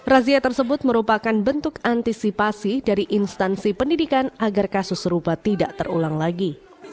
razia tersebut merupakan bentuk antisipasi dari instansi pendidikan agar kasus serupa tidak terulang lagi